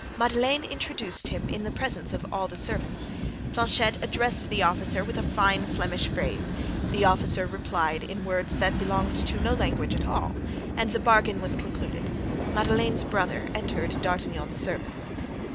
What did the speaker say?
Madeleine introduced him in presence of all the servants. Planchet addressed the officer with a fine Flemish phrase; the officer replied in words that belonged to no language at all, and the bargain was concluded; Madeleine's brother entered D'Artagnan's service.